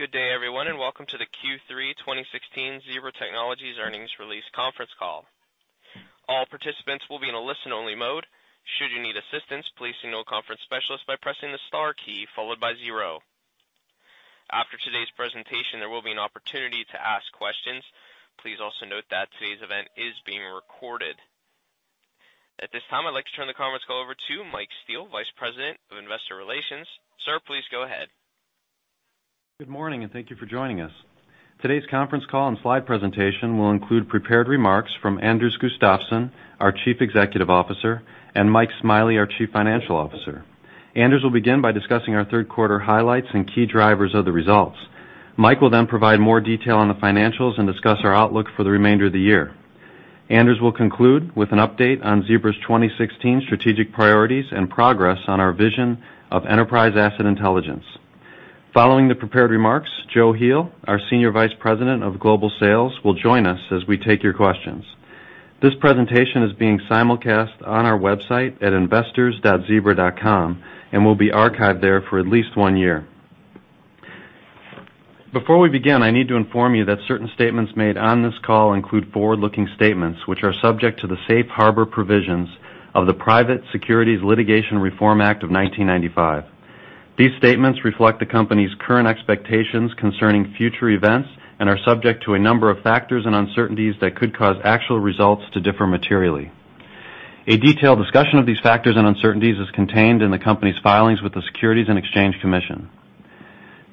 Good day, everyone. Welcome to the Q3 2016 Zebra Technologies earnings release conference call. All participants will be in a listen-only mode. Should you need assistance, please signal a conference specialist by pressing the star key followed by 0. After today's presentation, there will be an opportunity to ask questions. Please also note that today's event is being recorded. At this time, I'd like to turn the conference call over to Mike Steele, Vice President of Investor Relations. Sir, please go ahead. Good morning. Thank you for joining us. Today's conference call and slide presentation will include prepared remarks from Anders Gustafsson, our Chief Executive Officer, and Mike Smiley, our Chief Financial Officer. Anders will begin by discussing our third quarter highlights and key drivers of the results. Mike will provide more detail on the financials and discuss our outlook for the remainder of the year. Anders will conclude with an update on Zebra's 2016 strategic priorities and progress on our vision of Enterprise Asset Intelligence. Following the prepared remarks, Joachim Heel, our Senior Vice President of Global Sales, will join us as we take your questions. This presentation is being simulcast on our website at investors.zebra.com and will be archived there for at least 1 year. Before we begin, I need to inform you that certain statements made on this call include forward-looking statements, which are subject to the Safe Harbor provisions of the Private Securities Litigation Reform Act of 1995. These statements reflect the company's current expectations concerning future events and are subject to a number of factors and uncertainties that could cause actual results to differ materially. A detailed discussion of these factors and uncertainties is contained in the company's filings with the Securities and Exchange Commission.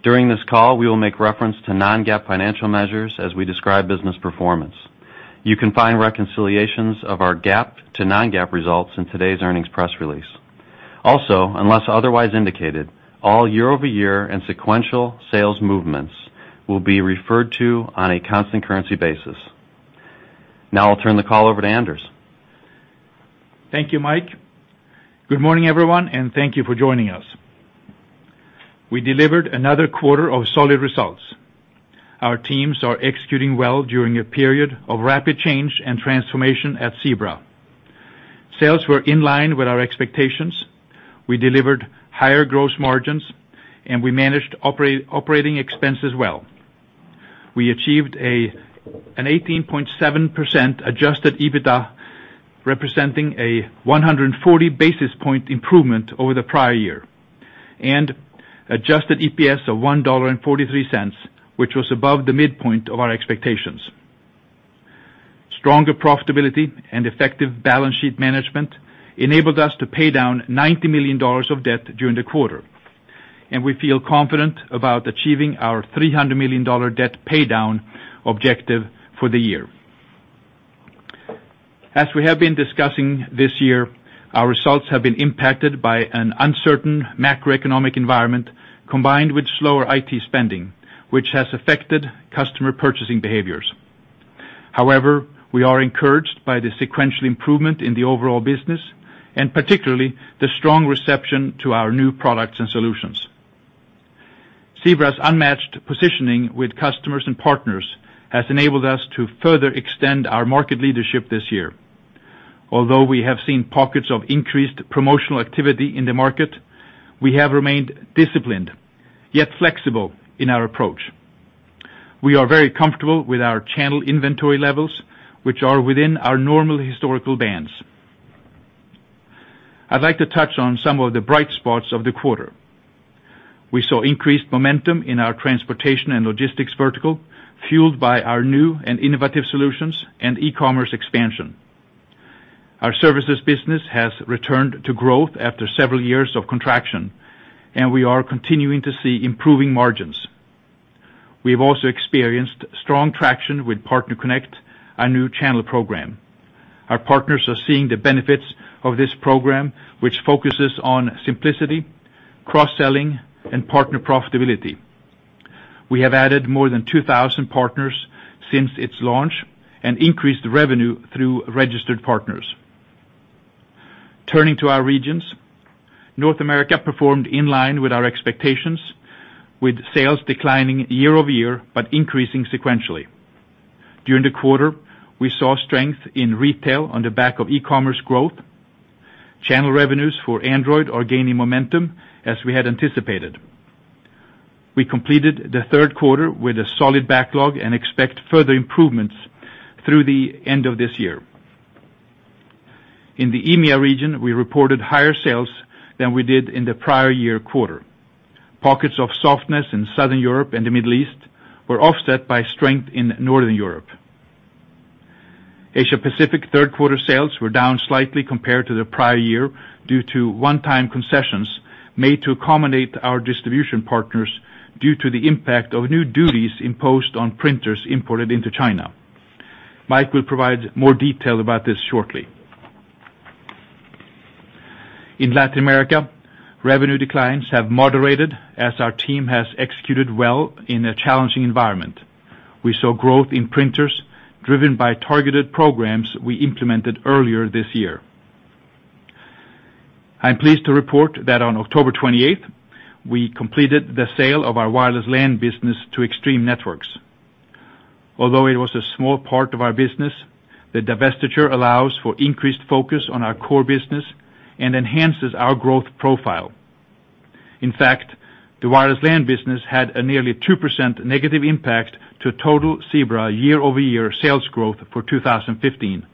During this call, we will make reference to non-GAAP financial measures as we describe business performance. You can find reconciliations of our GAAP to non-GAAP results in today's earnings press release. Unless otherwise indicated, all year-over-year and sequential sales movements will be referred to on a constant currency basis. I'll turn the call over to Anders. Thank you, Mike. Good morning, everyone. Thank you for joining us. We delivered another quarter of solid results. Our teams are executing well during a period of rapid change and transformation at Zebra. Sales were in line with our expectations. We delivered higher gross margins. We managed operating expenses well. We achieved an 18.7% adjusted EBITDA, representing a 140 basis point improvement over the prior year, and adjusted EPS of $1.43, which was above the midpoint of our expectations. Stronger profitability and effective balance sheet management enabled us to pay down $90 million of debt during the quarter. We feel confident about achieving our $300 million debt paydown objective for the year. As we have been discussing this year, our results have been impacted by an uncertain macroeconomic environment, combined with slower IT spending, which has affected customer purchasing behaviors. We are encouraged by the sequential improvement in the overall business, and particularly the strong reception to our new products and solutions. Zebra's unmatched positioning with customers and partners has enabled us to further extend our market leadership this year. We have seen pockets of increased promotional activity in the market, we have remained disciplined, yet flexible in our approach. We are very comfortable with our channel inventory levels, which are within our normal historical bands. I'd like to touch on some of the bright spots of the quarter. We saw increased momentum in our Transportation & Logistics vertical, fueled by our new and innovative solutions and e-commerce expansion. Our services business has returned to growth after several years of contraction, we are continuing to see improving margins. We've also experienced strong traction with PartnerConnect, our new channel program. Our partners are seeing the benefits of this program, which focuses on simplicity, cross-selling, and partner profitability. We have added more than 2,000 partners since its launch and increased revenue through registered partners. Turning to our regions. North America performed in line with our expectations, with sales declining year-over-year, increasing sequentially. During the quarter, we saw strength in retail on the back of e-commerce growth. Channel revenues for Android are gaining momentum as we had anticipated. We completed the third quarter with a solid backlog and expect further improvements through the end of this year. The EMEA region, we reported higher sales than we did in the prior year quarter. Pockets of softness in Southern Europe and the Middle East were offset by strength in Northern Europe. Asia Pacific third-quarter sales were down slightly compared to the prior year due to one-time concessions made to accommodate our distribution partners due to the impact of new duties imposed on printers imported into China. Mike will provide more detail about this shortly. Latin America, revenue declines have moderated as our team has executed well in a challenging environment. We saw growth in printers driven by targeted programs we implemented earlier this year. I'm pleased to report that on October 28th, we completed the sale of our wireless LAN business to Extreme Networks. It was a small part of our business, the divestiture allows for increased focus on our core business and enhances our growth profile. The wireless LAN business had a nearly 2% negative impact to total Zebra year-over-year sales growth for 2015,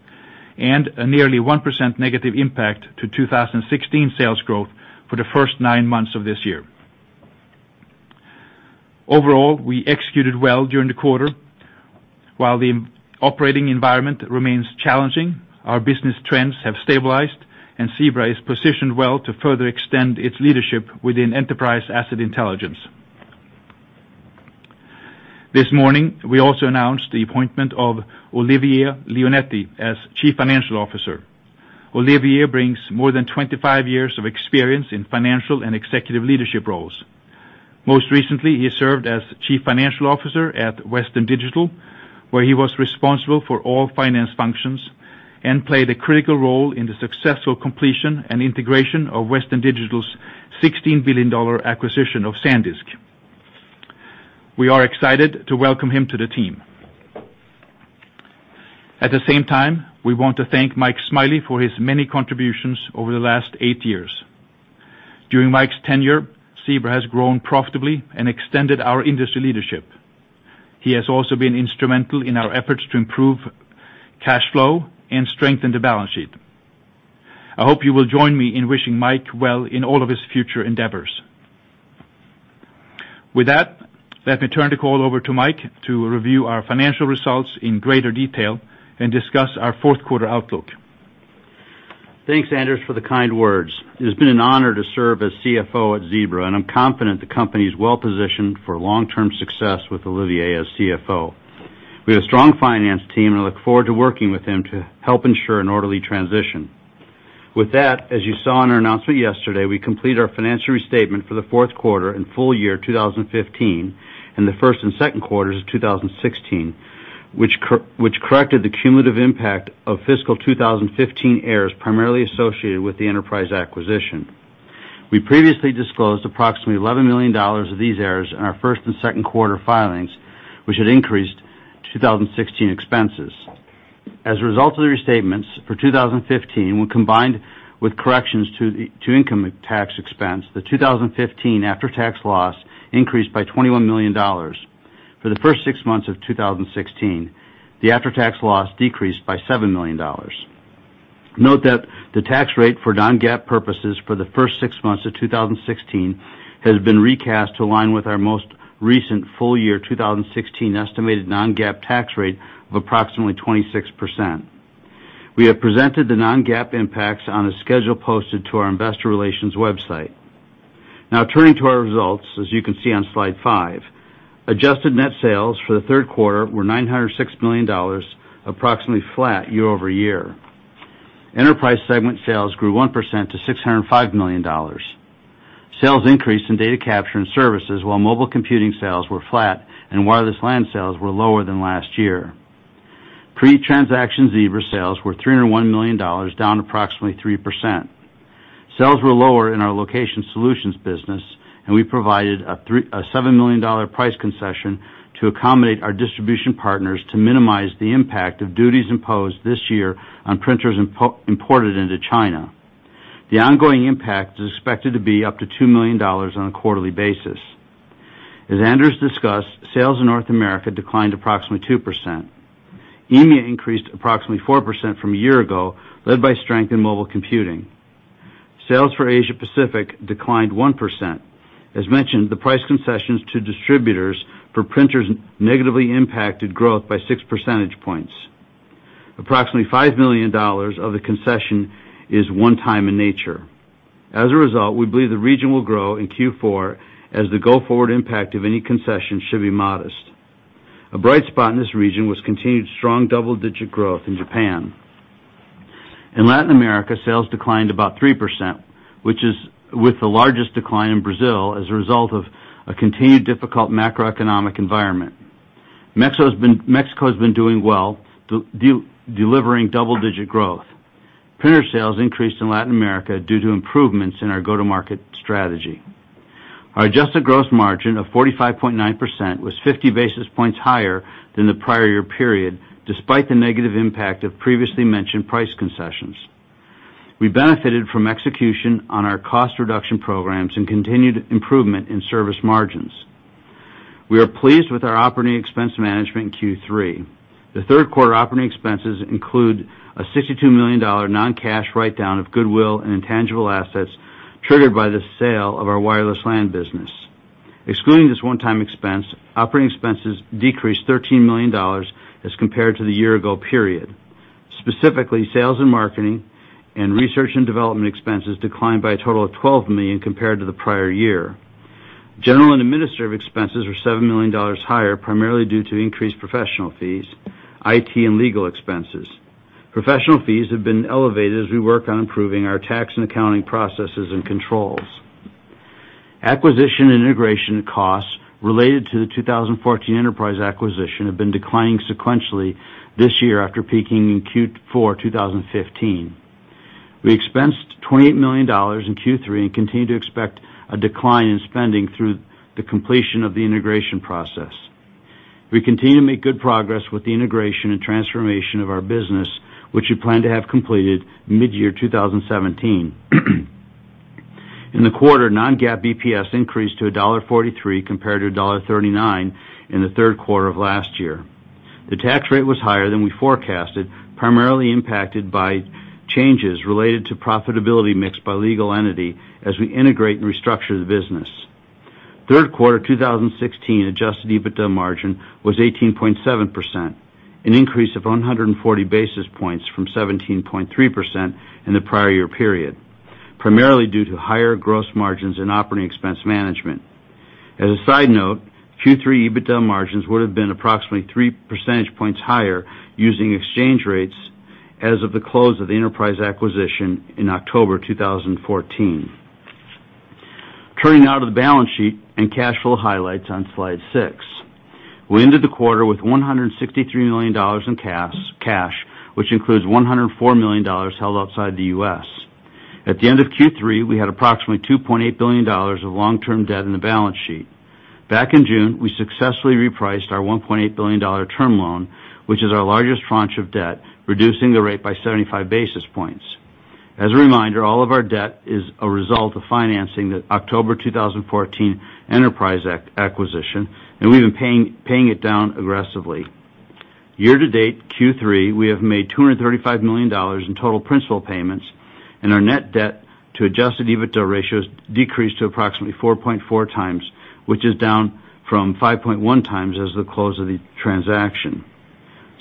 and a nearly 1% negative impact to 2016 sales growth for the first nine months of this year. We executed well during the quarter. The operating environment remains challenging, our business trends have stabilized, and Zebra is positioned well to further extend its leadership within Enterprise Asset Intelligence. This morning, we also announced the appointment of Olivier Leonetti as Chief Financial Officer. Olivier brings more than 25 years of experience in financial and executive leadership roles. Most recently, he served as Chief Financial Officer at Western Digital, where he was responsible for all finance functions and played a critical role in the successful completion and integration of Western Digital's $16 billion acquisition of SanDisk. We are excited to welcome him to the team. At the same time, we want to thank Mike Smiley for his many contributions over the last eight years. During Mike's tenure, Zebra has grown profitably and extended our industry leadership. He has also been instrumental in our efforts to improve cash flow and strengthen the balance sheet. I hope you will join me in wishing Mike well in all of his future endeavors. With that, let me turn the call over to Mike to review our financial results in greater detail and discuss our fourth quarter outlook. Thanks, Anders, for the kind words. It has been an honor to serve as CFO at Zebra, I'm confident the company is well positioned for long-term success with Olivier as CFO. We have a strong finance team, I look forward to working with him to help ensure an orderly transition. With that, as you saw in our announcement yesterday, we completed our financial restatement for the fourth quarter and full year 2015, the first and second quarters of 2016, which corrected the cumulative impact of fiscal 2015 errors primarily associated with the enterprise acquisition. We previously disclosed approximately $11 million of these errors in our first and second quarter filings, which had increased 2016 expenses. As a result of the restatements for 2015, when combined with corrections to income tax expense, the 2015 after-tax loss increased by $21 million. For the first six months of 2016, the after-tax loss decreased by $7 million. Note that the tax rate for non-GAAP purposes for the first six months of 2016 has been recast to align with our most recent full year 2016 estimated non-GAAP tax rate of approximately 26%. We have presented the non-GAAP impacts on a schedule posted to our investor relations website. Now turning to our results. As you can see on slide five, adjusted net sales for the third quarter were $906 million, approximately flat year-over-year. Enterprise segment sales grew 1% to $605 million. Sales increased in data capture and services, while mobile computing sales were flat and wireless LAN sales were lower than last year. Pre-transaction Zebra sales were $301 million, down approximately 3%. Sales were lower in our location solutions business, we provided a $7 million price concession to accommodate our distribution partners to minimize the impact of duties imposed this year on printers imported into China. The ongoing impact is expected to be up to $2 million on a quarterly basis. As Anders discussed, sales in North America declined approximately 2%. EMEA increased approximately 4% from a year ago, led by strength in mobile computing. Sales for Asia Pacific declined 1%. As mentioned, the price concessions to distributors for printers negatively impacted growth by six percentage points. Approximately $5 million of the concession is one time in nature. As a result, we believe the region will grow in Q4 as the go-forward impact of any concession should be modest. A bright spot in this region was continued strong double-digit growth in Japan. In Latin America, sales declined about 3%, with the largest decline in Brazil as a result of a continued difficult macroeconomic environment. Mexico has been doing well, delivering double-digit growth. Printer sales increased in Latin America due to improvements in our go-to-market strategy. Our adjusted gross margin of 45.9% was 50 basis points higher than the prior year period, despite the negative impact of previously mentioned price concessions. We benefited from execution on our cost reduction programs and continued improvement in service margins. We are pleased with our operating expense management in Q3. The third quarter operating expenses include a $62 million non-cash write-down of goodwill and intangible assets triggered by the sale of our wireless LAN business. Excluding this one-time expense, operating expenses decreased $13 million as compared to the year ago period. Specifically, sales and marketing and research and development expenses declined by a total of $12 million compared to the prior year. General and administrative expenses were $7 million higher, primarily due to increased professional fees, IT, and legal expenses. Professional fees have been elevated as we work on improving our tax and accounting processes and controls. Acquisition and integration costs related to the 2014 enterprise acquisition have been declining sequentially this year after peaking in Q4 2015. We expensed $28 million in Q3 and continue to expect a decline in spending through the completion of the integration process. We continue to make good progress with the integration and transformation of our business, which we plan to have completed mid-year 2017. In the quarter, non-GAAP EPS increased to $1.43 compared to $1.39 in the third quarter of last year. The tax rate was higher than we forecasted, primarily impacted by changes related to profitability mix by legal entity as we integrate and restructure the business. Third quarter 2016 adjusted EBITDA margin was 18.7%, an increase of 140 basis points from 17.3% in the prior year period, primarily due to higher gross margins and operating expense management. As a side note, Q3 EBITDA margins would have been approximately three percentage points higher using exchange rates as of the close of the Enterprise acquisition in October 2014. Turning now to the balance sheet and cash flow highlights on slide six. We ended the quarter with $163 million in cash, which includes $104 million held outside the U.S. At the end of Q3, we had approximately $2.8 billion of long-term debt on the balance sheet. Back in June, we successfully repriced our $1.8 billion term loan, which is our largest tranche of debt, reducing the rate by 75 basis points. As a reminder, all of our debt is a result of financing the October 2014 Enterprise acquisition, and we've been paying it down aggressively. Year to date, Q3, we have made $235 million in total principal payments, and our net debt to adjusted EBITDA ratio has decreased to approximately 4.4 times, which is down from 5.1 times as of the close of the transaction.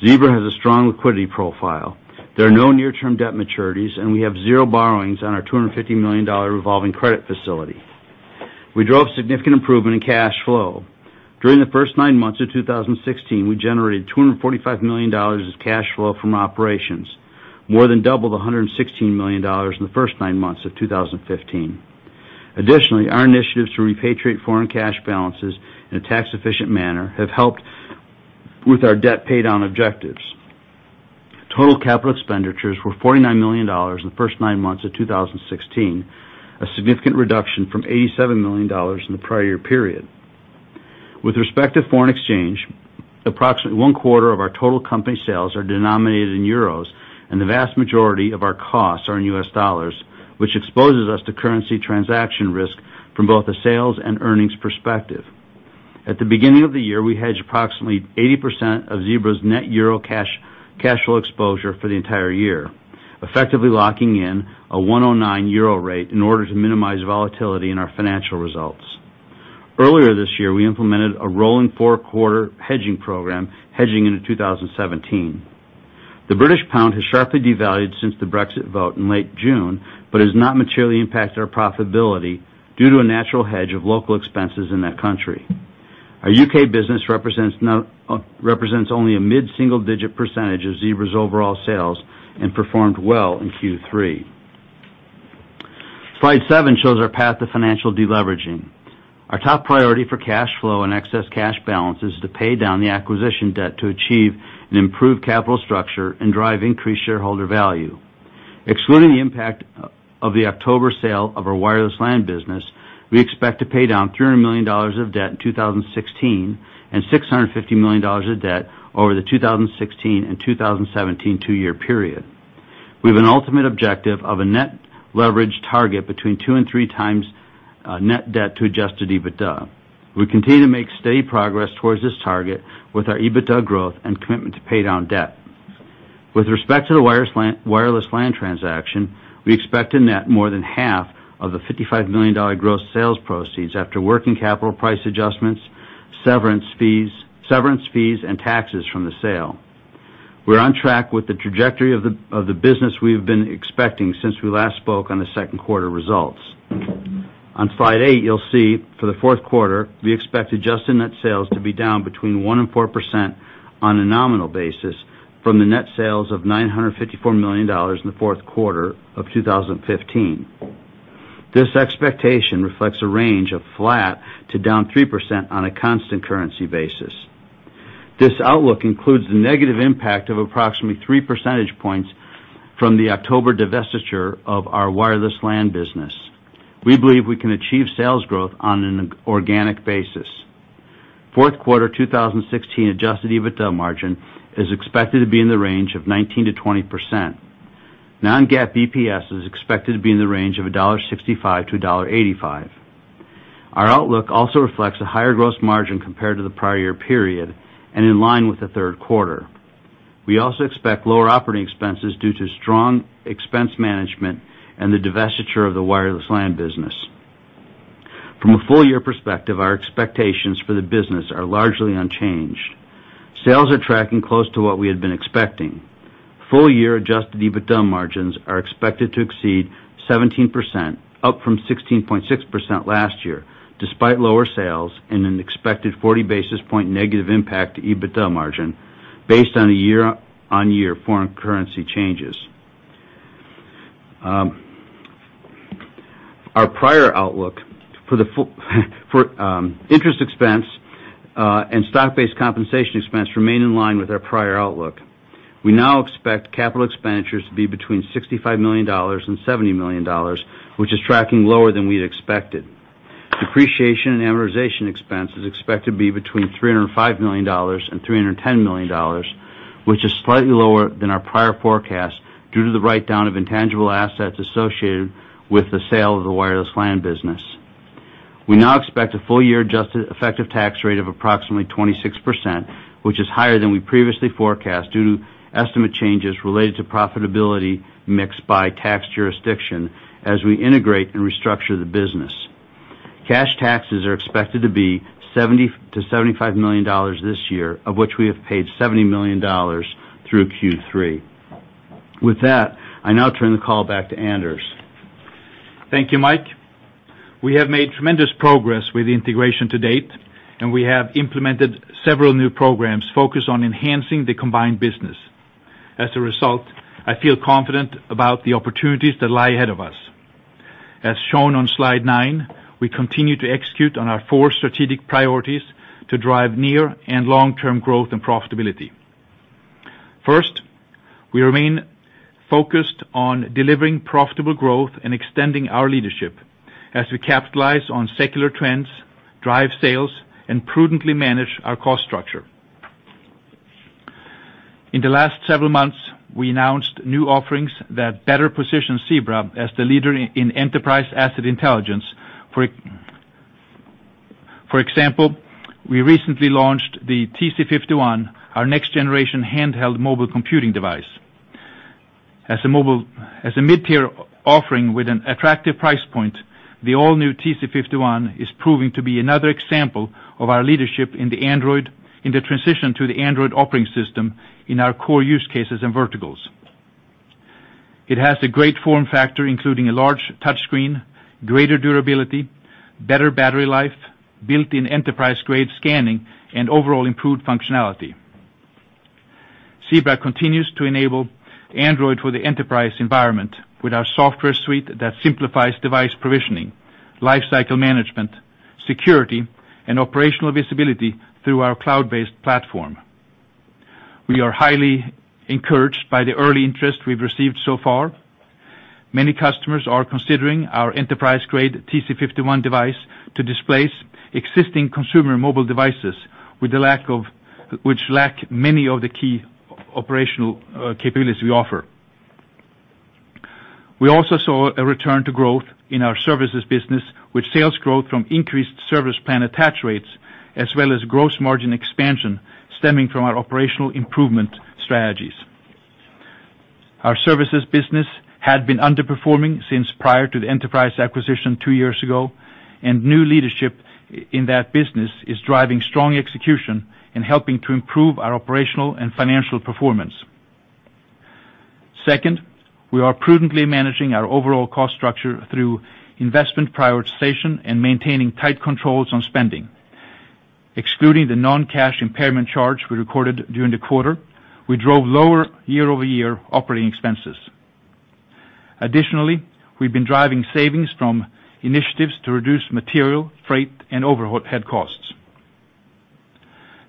Zebra has a strong liquidity profile. There are no near-term debt maturities, and we have zero borrowings on our $250 million revolving credit facility. We drove significant improvement in cash flow. During the first nine months of 2016, we generated $245 million of cash flow from operations, more than double the $116 million in the first nine months of 2015. Additionally, our initiatives to repatriate foreign cash balances in a tax-efficient manner have helped with our debt pay down objectives. Total capital expenditures were $49 million in the first nine months of 2016, a significant reduction from $87 million in the prior year period. With respect to foreign exchange, approximately one quarter of our total company sales are denominated in euros, and the vast majority of our costs are in US dollars, which exposes us to currency transaction risk from both a sales and earnings perspective. At the beginning of the year, we hedged approximately 80% of Zebra's net euro cash flow exposure for the entire year, effectively locking in a 1.09 euro rate in order to minimize volatility in our financial results. Earlier this year, we implemented a rolling four-quarter hedging program, hedging into 2017. The British pound has sharply devalued since the Brexit vote in late June, but has not materially impacted our profitability due to a natural hedge of local expenses in that country. Our U.K. business represents only a mid-single-digit percentage of Zebra's overall sales and performed well in Q3. Slide seven shows our path to financial deleveraging. Our top priority for cash flow and excess cash balance is to pay down the acquisition debt to achieve an improved capital structure and drive increased shareholder value. Excluding the impact of the October sale of our wireless LAN business, we expect to pay down $300 million of debt in 2016 and $650 million of debt over the 2016 and 2017 two-year period. We have an ultimate objective of a net leverage target between two and three times net debt to adjusted EBITDA. We continue to make steady progress towards this target with our EBITDA growth and commitment to pay down debt. With respect to the wireless LAN transaction, we expect to net more than half of the $55 million gross sales proceeds after working capital price adjustments, severance fees, and taxes from the sale. We are on track with the trajectory of the business we have been expecting since we last spoke on the second quarter results. On slide eight you will see for the fourth quarter, we expect adjusted net sales to be down between 1%-4% on a nominal basis from the net sales of $954 million in the fourth quarter of 2015. This expectation reflects a range of flat to down 3% on a constant currency basis. This outlook includes the negative impact of approximately three percentage points from the October divestiture of our wireless LAN business. We believe we can achieve sales growth on an organic basis. Fourth quarter 2016 adjusted EBITDA margin is expected to be in the range of 19%-20%. Non-GAAP EPS is expected to be in the range of $1.65-$1.85. Our outlook also reflects a higher gross margin compared to the prior year period and in line with the third quarter. We also expect lower operating expenses due to strong expense management and the divestiture of the wireless LAN business. From a full-year perspective, our expectations for the business are largely unchanged. Sales are tracking close to what we had been expecting. Full-year adjusted EBITDA margins are expected to exceed 17%, up from 16.6% last year, despite lower sales and an expected 40 basis point negative impact to EBITDA margin based on a year-over-year foreign currency changes. Our prior outlook for interest expense and stock-based compensation expense remain in line with our prior outlook. We now expect capital expenditures to be between $65 million and $70 million, which is tracking lower than we'd expected. Depreciation and amortization expense is expected to be between $305 million and $310 million, which is slightly lower than our prior forecast due to the write-down of intangible assets associated with the sale of the wireless LAN business. We now expect a full year adjusted effective tax rate of approximately 26%, which is higher than we previously forecast due to estimate changes related to profitability mixed by tax jurisdiction as we integrate and restructure the business. Cash taxes are expected to be $70 million-$75 million this year, of which we have paid $70 million through Q3. With that, I now turn the call back to Anders. Thank you, Mike. We have made tremendous progress with the integration to date, we have implemented several new programs focused on enhancing the combined business. As a result, I feel confident about the opportunities that lie ahead of us. As shown on slide nine, we continue to execute on our four strategic priorities to drive near and long-term growth and profitability. First, we remain focused on delivering profitable growth and extending our leadership as we capitalize on secular trends, drive sales, and prudently manage our cost structure. In the last several months, we announced new offerings that better position Zebra as the leader in Enterprise Asset Intelligence. For example, we recently launched the TC51, our next generation handheld mobile computing device. As a mid-tier offering with an attractive price point, the all-new TC51 is proving to be another example of our leadership in the transition to the Android operating system in our core use cases and verticals. It has a great form factor, including a large touchscreen, greater durability, better battery life, built-in enterprise grade scanning, and overall improved functionality. Zebra continues to enable Android for the enterprise environment with our software suite that simplifies device provisioning, life cycle management, security, and operational visibility through our cloud-based platform. We are highly encouraged by the early interest we've received so far. Many customers are considering our enterprise-grade TC51 device to displace existing consumer mobile devices, which lack many of the key operational capabilities we offer. We also saw a return to growth in our services business, with sales growth from increased service plan attach rates, as well as gross margin expansion stemming from our operational improvement strategies. Our services business had been underperforming since prior to the enterprise acquisition two years ago, new leadership in that business is driving strong execution and helping to improve our operational and financial performance. Second, we are prudently managing our overall cost structure through investment prioritization and maintaining tight controls on spending. Excluding the non-cash impairment charge we recorded during the quarter, we drove lower year-over-year operating expenses. Additionally, we've been driving savings from initiatives to reduce material, freight, and overhead costs.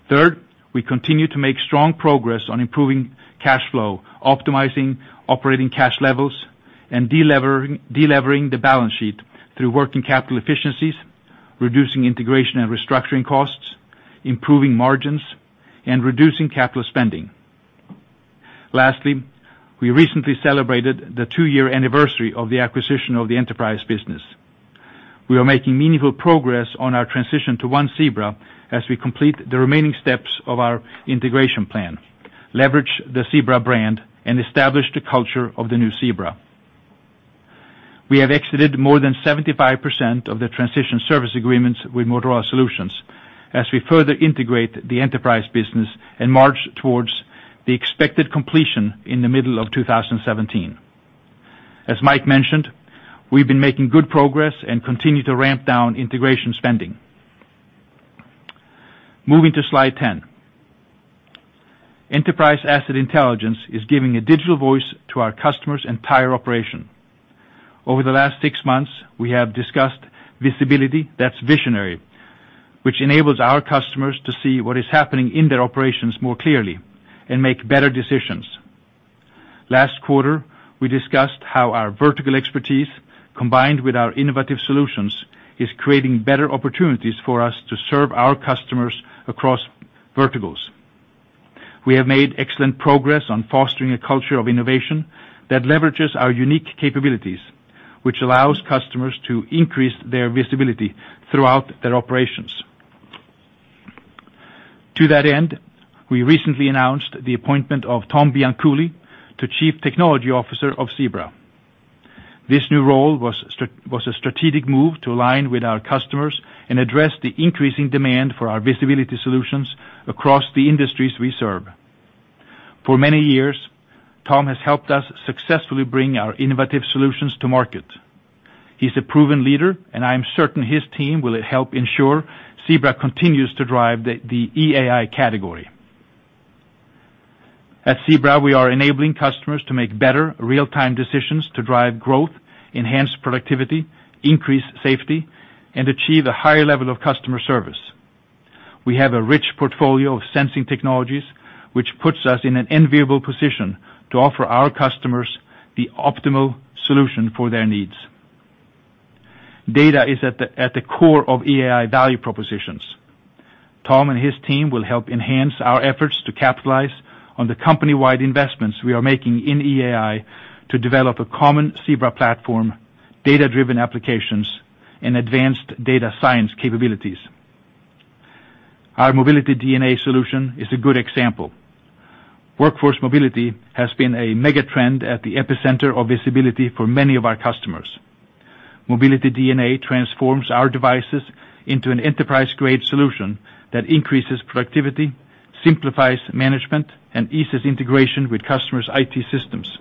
Third, we continue to make strong progress on improving cash flow, optimizing operating cash levels, and de-levering the balance sheet through working capital efficiencies, reducing integration and restructuring costs, improving margins, and reducing capital spending. Lastly, we recently celebrated the two-year anniversary of the acquisition of the enterprise business. We are making meaningful progress on our transition to One Zebra as we complete the remaining steps of our integration plan, leverage the Zebra brand, and establish the culture of the new Zebra. We have exited more than 75% of the transition service agreements with Motorola Solutions as we further integrate the enterprise business and march towards the expected completion in the middle of 2017. As Mike mentioned, we've been making good progress and continue to ramp down integration spending. Moving to slide 10. Enterprise Asset Intelligence is giving a digital voice to our customers' entire operation. Over the last six months, we have discussed visibility that's visionary, which enables our customers to see what is happening in their operations more clearly and make better decisions. Last quarter, we discussed how our vertical expertise, combined with our innovative solutions, is creating better opportunities for us to serve our customers across verticals. We have made excellent progress on fostering a culture of innovation that leverages our unique capabilities, which allows customers to increase their visibility throughout their operations. To that end, we recently announced the appointment of Tom Bianculli to Chief Technology Officer of Zebra. This new role was a strategic move to align with our customers and address the increasing demand for our visibility solutions across the industries we serve. For many years, Tom has helped us successfully bring our innovative solutions to market. He's a proven leader, and I am certain his team will help ensure Zebra continues to drive the EAI category. At Zebra, we are enabling customers to make better real-time decisions to drive growth, enhance productivity, increase safety, and achieve a higher level of customer service. We have a rich portfolio of sensing technologies, which puts us in an enviable position to offer our customers the optimal solution for their needs. Data is at the core of EAI value propositions. Tom and his team will help enhance our efforts to capitalize on the company-wide investments we are making in EAI to develop a common Zebra platform, data-driven applications, and advanced data science capabilities. Our Mobility DNA solution is a good example. Workforce mobility has been a mega trend at the epicenter of visibility for many of our customers. Mobility DNA transforms our devices into an enterprise-grade solution that increases productivity, simplifies management, and eases integration with customers' IT systems.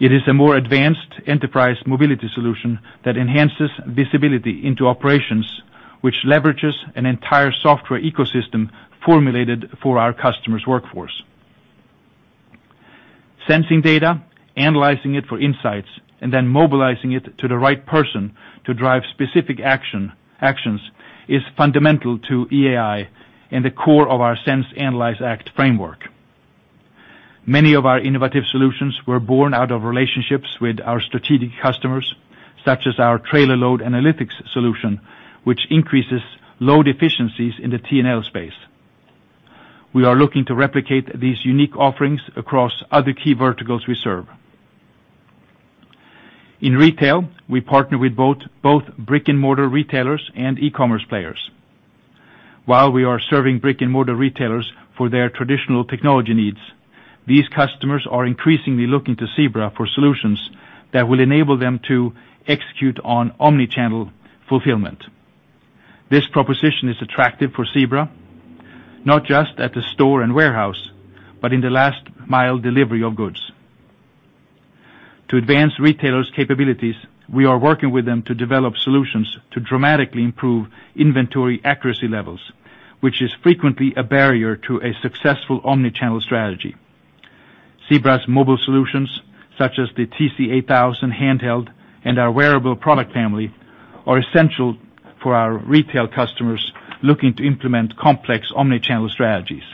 It is a more advanced enterprise mobility solution that enhances visibility into operations, which leverages an entire software ecosystem formulated for our customers' workforce. Sensing data, analyzing it for insights, and then mobilizing it to the right person to drive specific actions is fundamental to EAI and the core of our sense, analyze, act framework. Many of our innovative solutions were born out of relationships with our strategic customers, such as our trailer load analytics solution, which increases load efficiencies in the T&L space. We are looking to replicate these unique offerings across other key verticals we serve. In retail, we partner with both brick-and-mortar retailers and e-commerce players. While we are serving brick-and-mortar retailers for their traditional technology needs, these customers are increasingly looking to Zebra for solutions that will enable them to execute on omni-channel fulfillment. This proposition is attractive for Zebra, not just at the store and warehouse, but in the last mile delivery of goods. To advance retailers' capabilities, we are working with them to develop solutions to dramatically improve inventory accuracy levels, which is frequently a barrier to a successful omni-channel strategy. Zebra's mobile solutions, such as the TC8000 handheld and our wearable product family, are essential for our retail customers looking to implement complex omni-channel strategies.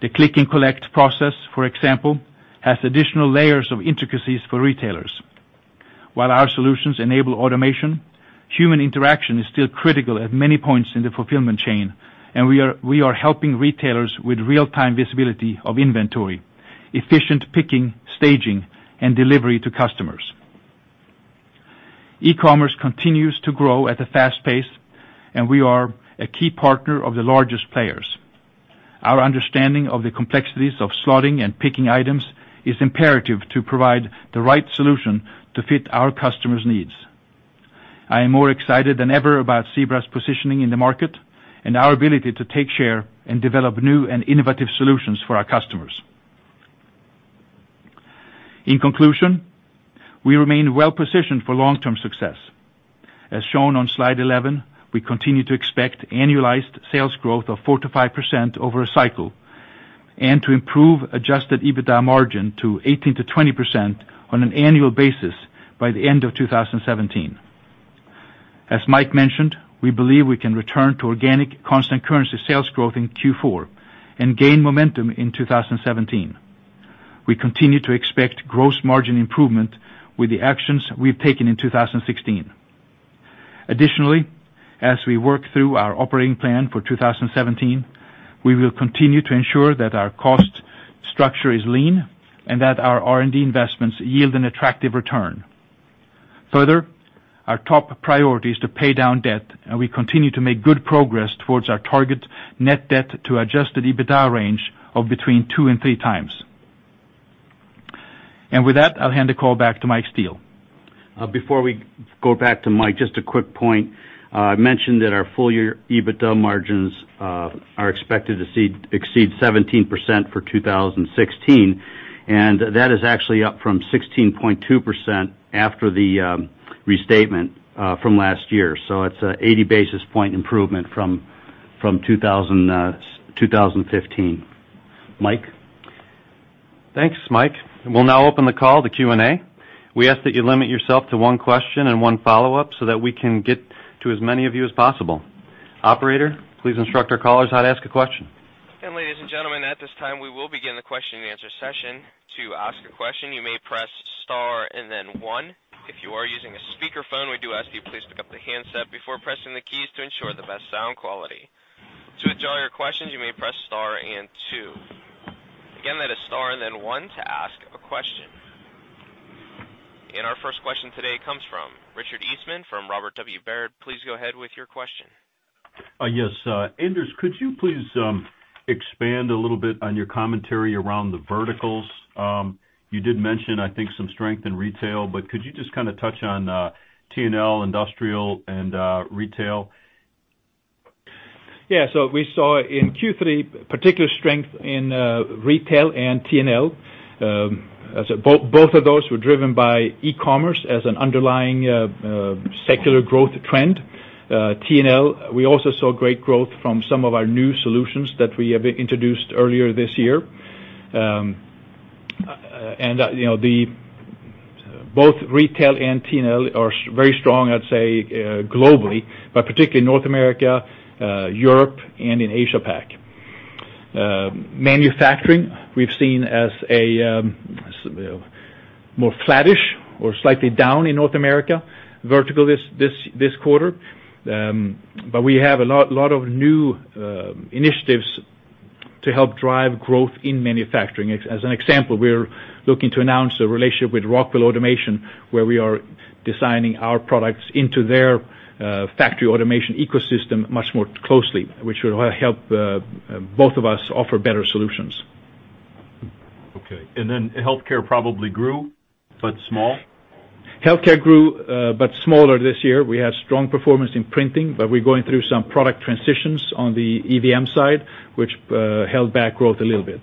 The click-and-collect process, for example, has additional layers of intricacies for retailers. While our solutions enable automation, human interaction is still critical at many points in the fulfillment chain, and we are helping retailers with real-time visibility of inventory, efficient picking, staging, and delivery to customers. E-commerce continues to grow at a fast pace, and we are a key partner of the largest players. Our understanding of the complexities of slotting and picking items is imperative to provide the right solution to fit our customers' needs. I am more excited than ever about Zebra's positioning in the market and our ability to take share and develop new and innovative solutions for our customers. In conclusion, we remain well positioned for long-term success. As shown on slide 11, we continue to expect annualized sales growth of 4%-5% over a cycle and to improve adjusted EBITDA margin to 18%-20% on an annual basis by the end of 2017. As Mike mentioned, we believe we can return to organic constant currency sales growth in Q4 and gain momentum in 2017. We continue to expect gross margin improvement with the actions we've taken in 2016. Additionally, as we work through our operating plan for 2017, we will continue to ensure that our cost structure is lean and that our R&D investments yield an attractive return. Further, our top priority is to pay down debt, and we continue to make good progress towards our target net debt to adjusted EBITDA range of between two and three times. With that, I'll hand the call back to Mike Steele. Before we go back to Mike, just a quick point. I mentioned that our full year EBITDA margins are expected to exceed 17% for 2016, and that is actually up from 16.2% after the restatement from last year. It's an 80 basis point improvement from 2015. Mike? Thanks, Mike. We'll now open the call to Q&A. We ask that you limit yourself to one question and one follow-up so that we can get to as many of you as possible. Operator, please instruct our callers how to ask a question. Ladies and gentlemen, at this time, we will begin the question and answer session. To ask a question, you may press star and then one. If you are using a speakerphone, we do ask you please pick up the handset before pressing the keys to ensure the best sound quality. To withdraw your questions, you may press star and two. Again, that is star and then one to ask a question. Our first question today comes from Richard Eastman from Robert W. Baird. Please go ahead with your question. Yes. Anders, could you please expand a little bit on your commentary around the verticals? You did mention, I think, some strength in retail, but could you just touch on T&L, industrial, and retail? Yeah. We saw in Q3, particular strength in retail and T&L. Both of those were driven by e-commerce as an underlying secular growth trend. T&L, we also saw great growth from some of our new solutions that we introduced earlier this year. Both retail and T&L are very strong, I'd say, globally, but particularly in North America, Europe, and in Asia-Pac. Manufacturing, we've seen as a more flattish or slightly down in North America vertical this quarter. We have a lot of new initiatives to help drive growth in manufacturing. As an example, we're looking to announce a relationship with Rockwell Automation, where we are designing our products into their factory automation ecosystem much more closely, which will help both of us offer better solutions. Okay. Healthcare probably grew, but small? Healthcare grew, but smaller this year. We had strong performance in printing, but we are going through some product transitions on the EVM side, which held back growth a little bit.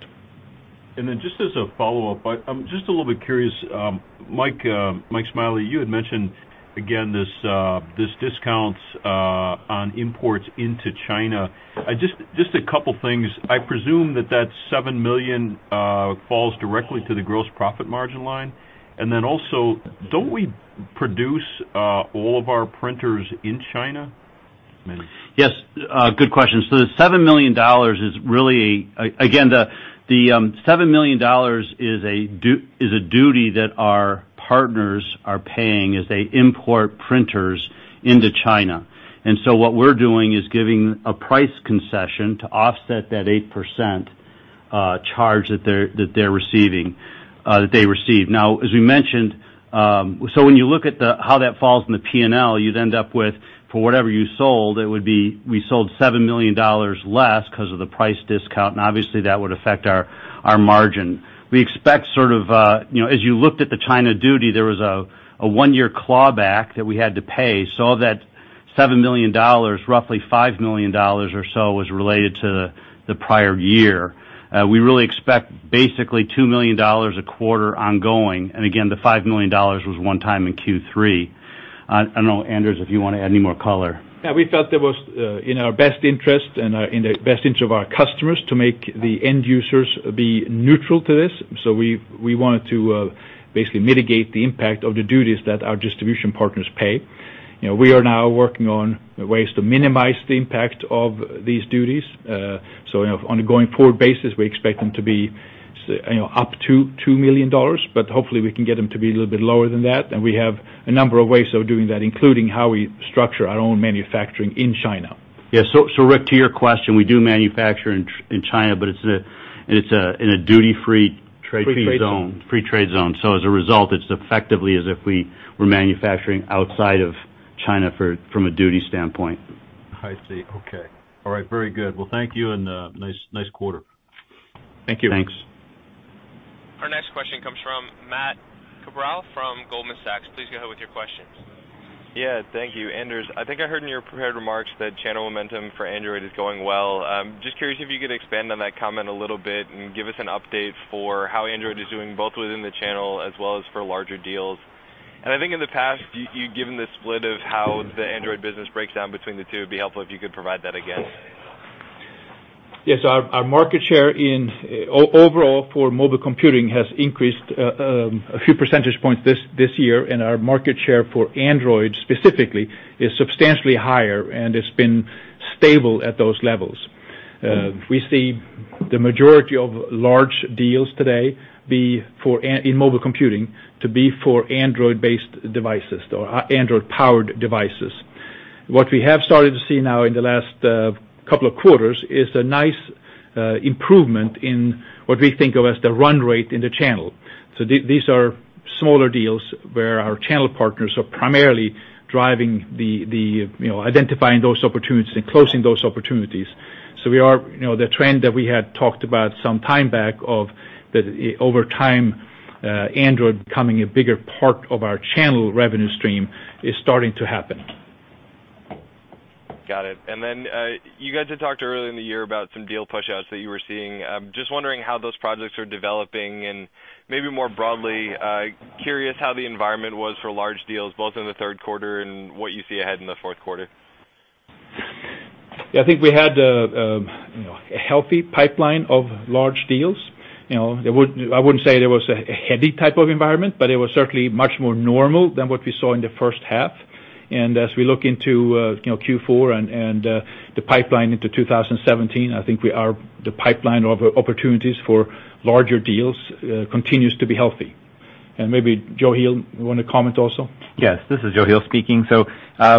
Just as a follow-up, I am just a little bit curious. Mike Smiley, you had mentioned again, these discounts on imports into China. Just a couple things. I presume that that $7 million falls directly to the gross profit margin line. Also, don't we produce all of our printers in China? Yes. Good question. The $7 million is a duty that our partners are paying as they import printers into China. What we are doing is giving a price concession to offset that 8% charge that they receive. As we mentioned, when you look at how that falls in the T&L, you would end up with, for whatever you sold, it would be we sold $7 million less because of the price discount, and obviously, that would affect our margin. As you looked at the China duty, there was a one-year clawback that we had to pay. That $7 million, roughly $5 million or so, was related to the prior year. We really expect basically $2 million a quarter ongoing. The $5 million was one time in Q3. I don't know, Anders, if you want to add any more color. Yeah, we felt it was in our best interest and in the best interest of our customers to make the end users be neutral to this. We wanted to basically mitigate the impact of the duties that our distribution partners pay. We are now working on ways to minimize the impact of these duties. On a going-forward basis, we expect them to be up to $2 million, but hopefully, we can get them to be a little bit lower than that. We have a number of ways of doing that, including how we structure our own manufacturing in China. Yeah. Rick, to your question, we do manufacture in China, but it's in a duty-free trade zone. Free trade zone. Free trade zone. As a result, it's effectively as if we were manufacturing outside of China from a duty standpoint. I see. Okay. All right. Very good. Well, thank you, and nice quarter. Thank you. Thanks. Our next question comes from Matt Cabral from Goldman Sachs. Please go ahead with your questions. Yeah. Thank you. Anders, I think I heard in your prepared remarks that channel momentum for Android is going well. I'm just curious if you could expand on that comment a little bit and give us an update for how Android is doing, both within the channel as well as for larger deals. I think in the past, you've given the split of how the Android business breaks down between the two. It'd be helpful if you could provide that again. Yes, our market share overall for mobile computing has increased a few percentage points this year, and our market share for Android specifically is substantially higher, and it's been stable at those levels. We see the majority of large deals today in mobile computing to be for Android-based devices, or Android-powered devices. What we have started to see now in the last couple of quarters is a nice improvement in what we think of as the run rate in the channel. These are smaller deals where our channel partners are primarily driving the identifying those opportunities and closing those opportunities. The trend that we had talked about some time back of that over time, Android becoming a bigger part of our channel revenue stream is starting to happen. Got it. You guys had talked earlier in the year about some deal pushouts that you were seeing. I'm just wondering how those projects are developing and maybe more broadly, curious how the environment was for large deals, both in the third quarter and what you see ahead in the fourth quarter. Yeah, I think we had a healthy pipeline of large deals. I wouldn't say there was a heavy type of environment, but it was certainly much more normal than what we saw in the first half. As we look into Q4 and the pipeline into 2017, I think the pipeline of opportunities for larger deals continues to be healthy. Maybe Joe Heel, you want to comment also? Yes, this is Joe Heel speaking.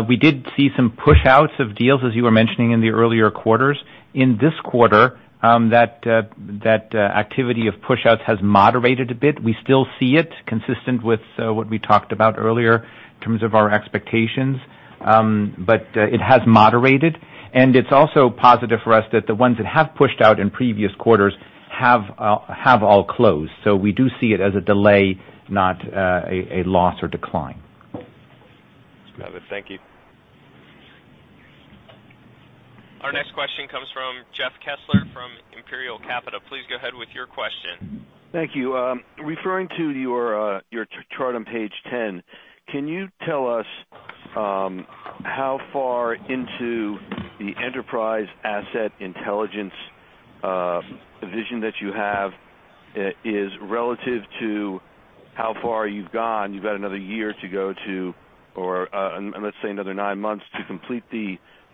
We did see some pushouts of deals, as you were mentioning in the earlier quarters. In this quarter, that activity of pushouts has moderated a bit. We still see it consistent with what we talked about earlier in terms of our expectations. It has moderated, and it's also positive for us that the ones that have pushed out in previous quarters have all closed. We do see it as a delay, not a loss or decline. Got it. Thank you. Our next question comes from Jeff Kessler from Imperial Capital. Please go ahead with your question. Thank you. Referring to your chart on page 10, can you tell us How far into the Enterprise Asset Intelligence vision that you have is relative to how far you've gone? You've got another one year to go to, or let's say another nine months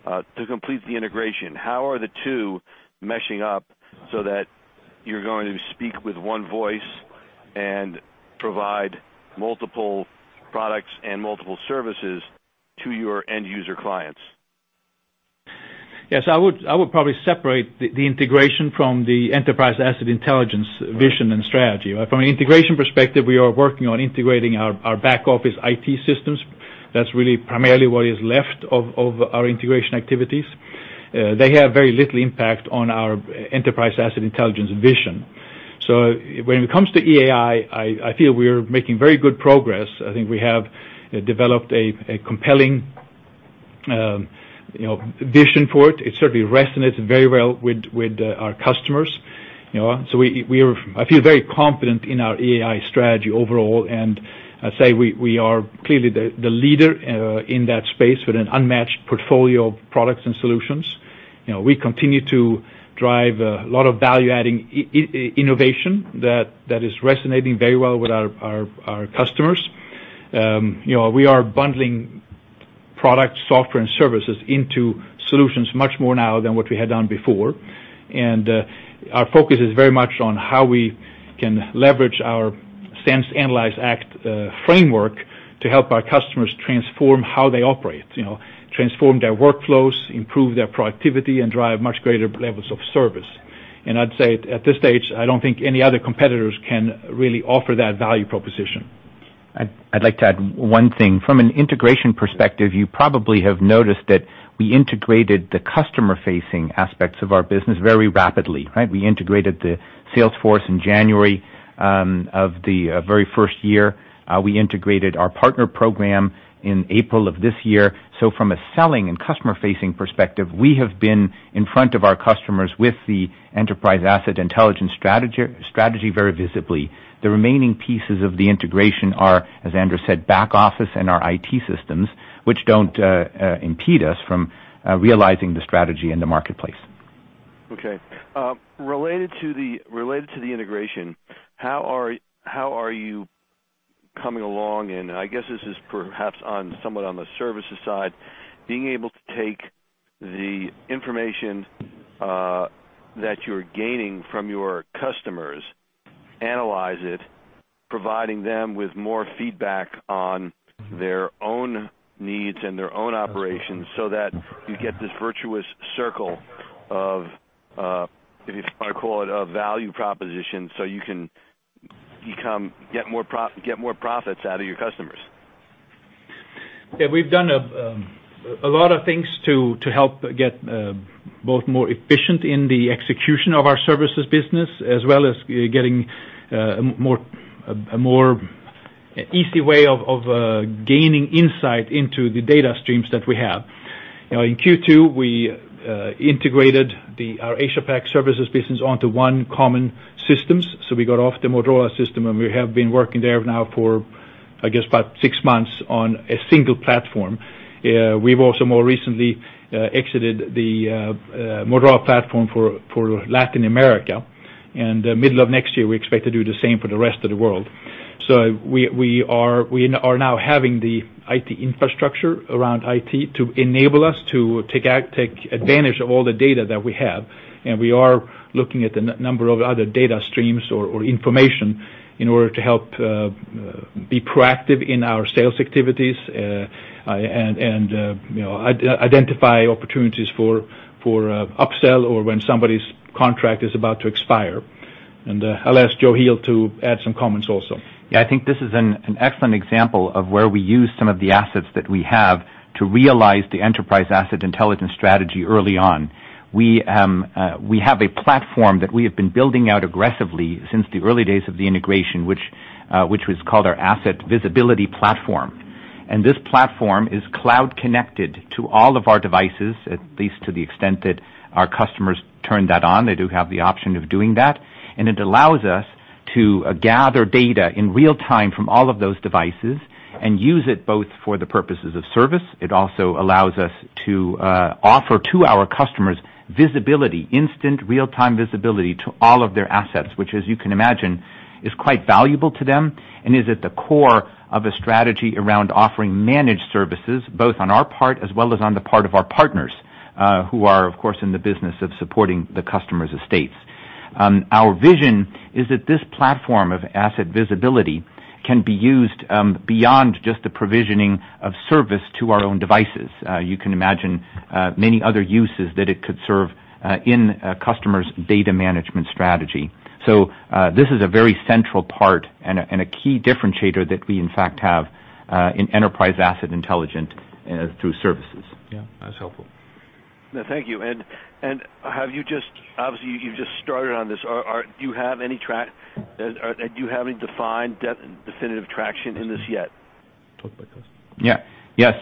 to complete the integration. How are the two meshing up so that you're going to speak with one voice and provide multiple products and multiple services to your end user clients? Yes, I would probably separate the integration from the Enterprise Asset Intelligence vision and strategy. From an integration perspective, we are working on integrating our back office IT systems. That's really primarily what is left of our integration activities. They have very little impact on our Enterprise Asset Intelligence vision. When it comes to EAI, I feel we are making very good progress. I think we have developed a compelling vision for it. It certainly resonates very well with our customers. I feel very confident in our EAI strategy overall, and I'd say we are clearly the leader in that space with an unmatched portfolio of products and solutions. We continue to drive a lot of value-adding innovation that is resonating very well with our customers. We are bundling product software and services into solutions much more now than what we had done before. Our focus is very much on how we can leverage our sense, analyze, act framework to help our customers transform how they operate. Transform their workflows, improve their productivity, and drive much greater levels of service. I'd say at this stage, I don't think any other competitors can really offer that value proposition. I'd like to add one thing. From an integration perspective, you probably have noticed that we integrated the customer-facing aspects of our business very rapidly, right? We integrated the sales force in January of the very first year. We integrated our partner program in April of this year. From a selling and customer-facing perspective, we have been in front of our customers with the Enterprise Asset Intelligence strategy very visibly. The remaining pieces of the integration are, as Anders said, back office and our IT systems, which don't impede us from realizing the strategy in the marketplace. Okay. Related to the integration, how are you coming along, and I guess this is perhaps somewhat on the services side, being able to take the information that you're gaining from your customers, analyze it, providing them with more feedback on their own needs and their own operations, so that you get this virtuous circle of, if I call it a value proposition, so you can get more profits out of your customers? We've done a lot of things to help get both more efficient in the execution of our services business, as well as getting a more easy way of gaining insight into the data streams that we have. In Q2, we integrated our Asia-Pac services business onto one common system. We got off the Motorola system, and we have been working there now for about six months on a single platform. We've also more recently exited the Motorola platform for Latin America. Middle of next year, we expect to do the same for the rest of the world. We are now having the IT infrastructure around IT to enable us to take advantage of all the data that we have, we are looking at the number of other data streams or information in order to help be proactive in our sales activities, identify opportunities for upsell or when somebody's contract is about to expire. I'll ask Joe Heel to add some comments also. I think this is an excellent example of where we use some of the assets that we have to realize the Enterprise Asset Intelligence strategy early on. We have a platform that we have been building out aggressively since the early days of the integration, which was called our Asset Visibility Platform. This platform is cloud connected to all of our devices, at least to the extent that our customers turn that on. They do have the option of doing that. It allows us to gather data in real time from all of those devices and use it both for the purposes of service. It also allows us to offer to our customers visibility, instant real-time visibility to all of their assets, which, as you can imagine, is quite valuable to them and is at the core of a strategy around offering managed services, both on our part as well as on the part of our partners, who are, of course, in the business of supporting the customer's estates. Our vision is that this platform of asset visibility can be used, beyond just the provisioning of service to our own devices. You can imagine many other uses that it could serve in a customer's data management strategy. This is a very central part and a key differentiator that we in fact have, in Enterprise Asset Intelligence through services. Yeah, that's helpful. Thank you. Obviously you've just started on this. Do you have any defined definitive traction in this yet? Talk about this. Yes,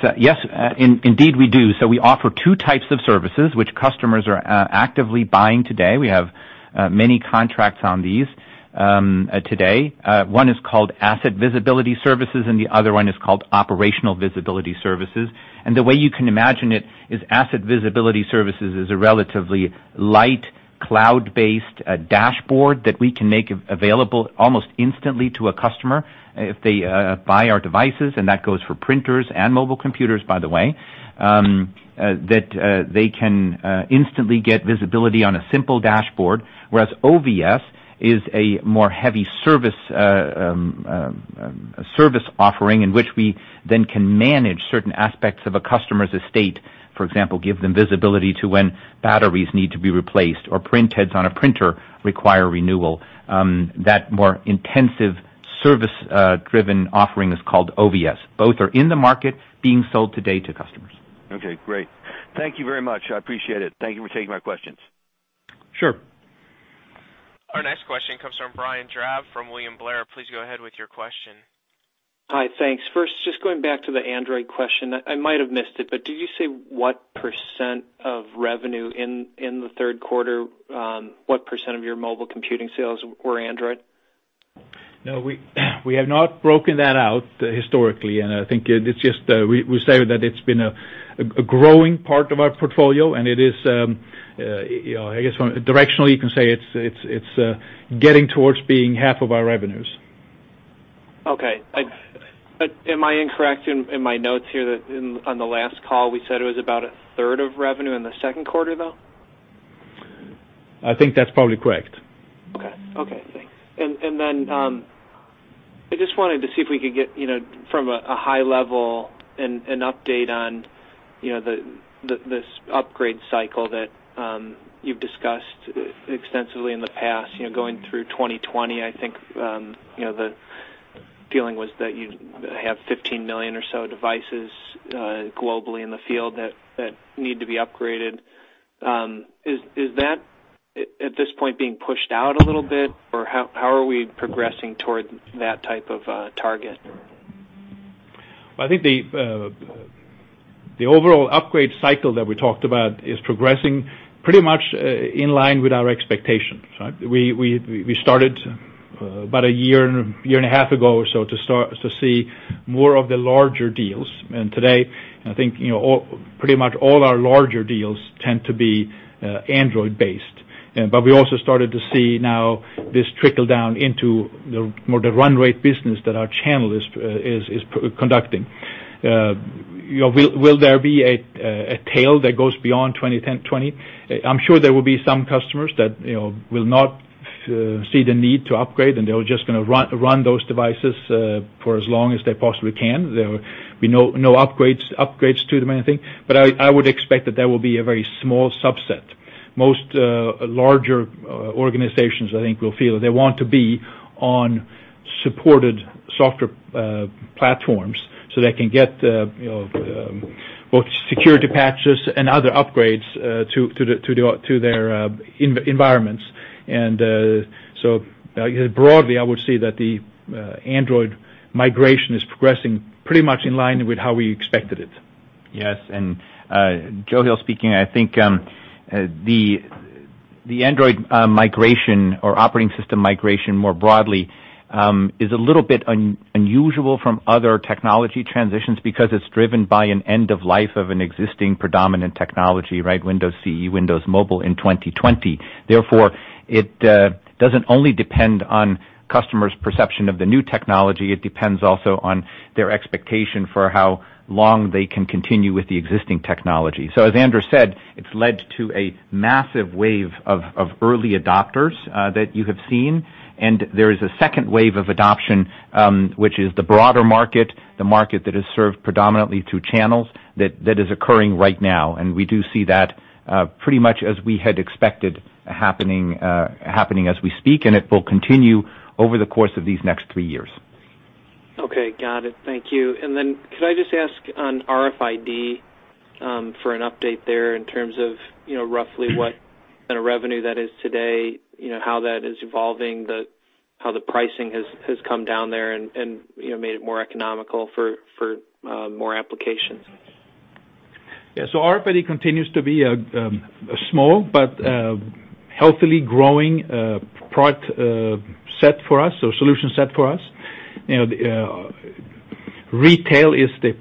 indeed we do. We offer 2 types of services which customers are actively buying today. We have many contracts on these. Today. One is called Asset Visibility Service, and the other one is called Operational Visibility Service. The way you can imagine it is Asset Visibility Service is a relatively light, cloud-based dashboard that we can make available almost instantly to a customer if they buy our devices. That goes for printers and mobile computers, by the way, that they can instantly get visibility on a simple dashboard, whereas OVS is a more heavy service offering in which we then can manage certain aspects of a customer's estate. For example, give them visibility to when batteries need to be replaced or printheads on a printer require renewal. That more intensive service-driven offering is called OVS. Both are in the market being sold today to customers. Okay, great. Thank you very much. I appreciate it. Thank you for taking my questions. Sure. Our next question comes from Brian Drab from William Blair. Please go ahead with your question. Hi. Thanks. First, just going back to the Android question. I might have missed it, but did you say what % of revenue in the third quarter, what % of your mobile computing sales were Android? No, we have not broken that out historically, and I think we say that it's been a growing part of our portfolio, and directionally, you can say it's getting towards being half of our revenues. Okay. Am I incorrect in my notes here that on the last call, we said it was about a third of revenue in the second quarter, though? I think that's probably correct. Okay, thanks. I just wanted to see if we could get from a high level, an update on this upgrade cycle that you've discussed extensively in the past, going through 2020. I think, the feeling was that you have 15 million or so devices globally in the field that need to be upgraded. Is that, at this point, being pushed out a little bit or how are we progressing toward that type of target? I think the overall upgrade cycle that we talked about is progressing pretty much in line with our expectations, right? We started about a year and a half ago or so to see more of the larger deals. Today, I think pretty much all our larger deals tend to be Android-based. We also started to see now this trickle down into more the run rate business that our channel is conducting. Will there be a tail that goes beyond 2020? I'm sure there will be some customers that will not see the need to upgrade, and they're just going to run those devices for as long as they possibly can. There will be no upgrades to them, I think. I would expect that that will be a very small subset. Most larger organizations, I think, will feel they want to be on supported software platforms so they can get both security patches and other upgrades to their environments. Broadly, I would say that the Android migration is progressing pretty much in line with how we expected it. Yes, and Joachim Heel speaking. I think the Android migration or operating system migration more broadly, is a little bit unusual from other technology transitions because it's driven by an end of life of an existing predominant technology, right? Windows CE, Windows Mobile in 2020. It doesn't only depend on customers' perception of the new technology, it depends also on their expectation for how long they can continue with the existing technology. As Anders said, it's led to a massive wave of early adopters that you have seen. There is a second wave of adoption, which is the broader market, the market that is served predominantly to channels that is occurring right now. We do see that pretty much as we had expected happening as we speak, and it will continue over the course of these next 3 years. Okay. Got it. Thank you. Could I just ask on RFID, for an update there in terms of roughly what kind of revenue that is today, how that is evolving, how the pricing has come down there and made it more economical for more applications. Yeah. RFID continues to be a small but healthily growing product set for us or solution set for us. Retail is the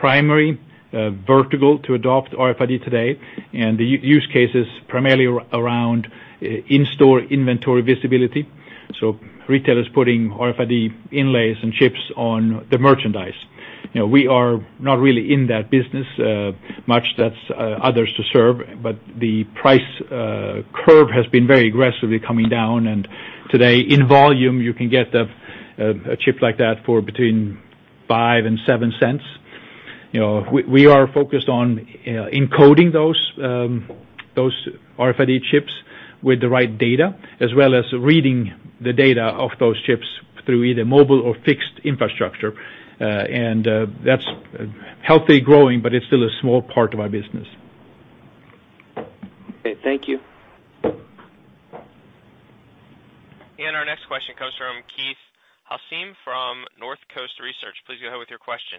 primary vertical to adopt RFID today, and the use case is primarily around in-store inventory visibility. Retail is putting RFID inlays and chips on the merchandise. We are not really in that business much. That's others to serve. The price curve has been very aggressively coming down, and today, in volume, you can get a chip like that for between $0.05 and $0.07. We are focused on encoding those RFID chips with the right data, as well as reading the data of those chips through either mobile or fixed infrastructure. That's healthy growing, but it's still a small part of our business. Okay. Thank you. Our next question comes from Keith Housum from Northcoast Research. Please go ahead with your question.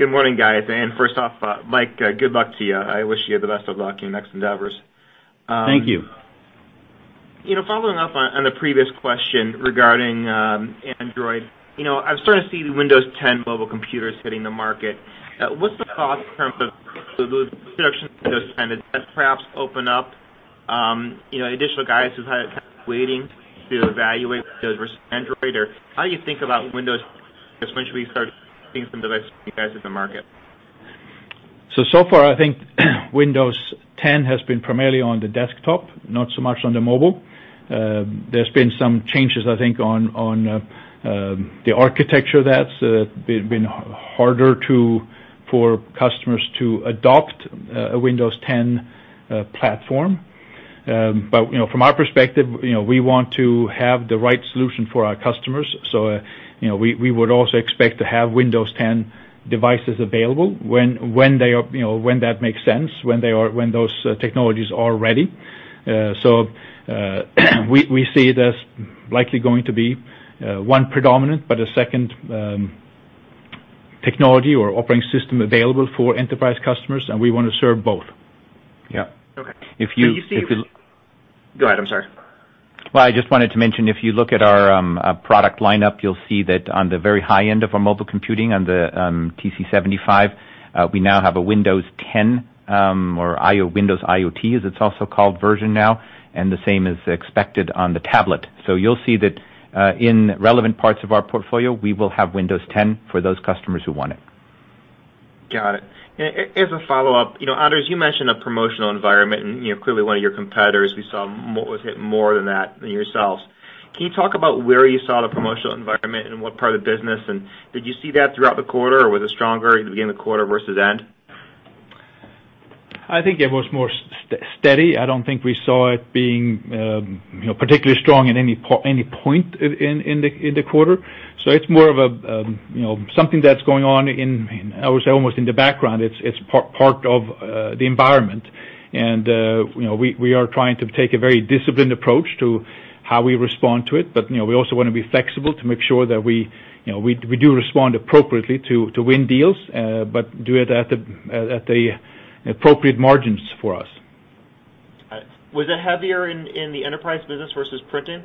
Good morning, guys. First off, Mike, good luck to you. I wish you the best of luck in your next endeavors. Thank you. Following up on the previous question regarding Android, I'm starting to see Windows 10 mobile computers hitting the market. What's the thought term of the introduction of Windows 10? Does that perhaps open up additional guys who's waiting to evaluate Windows versus Android? Or how do you think about Windows once we start seeing some devices at the market? So far, I think Windows 10 has been primarily on the desktop, not so much on the mobile. There's been some changes, I think, on the architecture that's been harder for customers to adopt a Windows 10 platform. From our perspective, we want to have the right solution for our customers. We would also expect to have Windows 10 devices available when that makes sense, when those technologies are ready. We see it as likely going to be one predominant, but a second technology or operating system available for enterprise customers, and we want to serve both. Yeah. Okay. Go ahead. I'm sorry. Well, I just wanted to mention, if you look at our product lineup, you'll see that on the very high end of our mobile computing on the TC75, we now have a Windows 10, or Windows IoT, as it's also called, version now, and the same is expected on the tablet. You'll see that in relevant parts of our portfolio, we will have Windows 10 for those customers who want it. Got it. As a follow-up, Anders, you mentioned a promotional environment, clearly one of your competitors, we saw was hit more than that than yourselves. Can you talk about where you saw the promotional environment and what part of the business? Did you see that throughout the quarter, or was it stronger at the beginning of the quarter versus end? I think it was more steady. I don't think we saw it being particularly strong at any point in the quarter. It's more of something that's going on in, I would say, almost in the background. It's part of the environment. We are trying to take a very disciplined approach to how we respond to it. We also want to be flexible to make sure that we do respond appropriately to win deals, but do it at the appropriate margins for us. All right. Was it heavier in the enterprise business versus printing?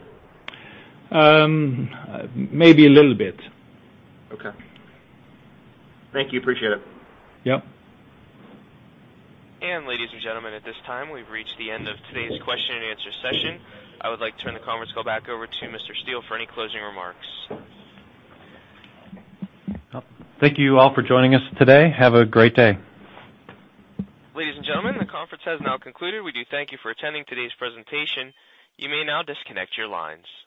Maybe a little bit. Okay. Thank you. Appreciate it. Yeah. Ladies and gentlemen, at this time, we've reached the end of today's question and answer session. I would like to turn the conference call back over to Mr. Steele for any closing remarks. Thank you all for joining us today. Have a great day. Ladies and gentlemen, the conference has now concluded. We do thank you for attending today's presentation. You may now disconnect your lines.